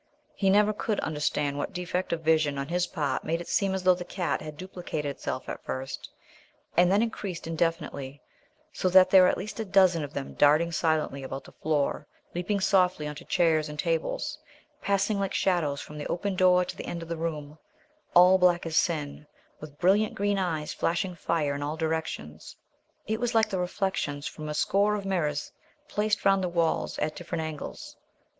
He never could understand what defect of vision on his part made it seem as though the cat had duplicated itself at first, and then increased indefinitely, so that there were at least a dozen of them darting silently about the floor, leaping softly on to chairs and tables, passing like shadows from the open door to the end of the room, all black as sin, with brilliant green eyes flashing fire in all directions. It was like the reflections from a score of mirrors placed round the walls at different angles.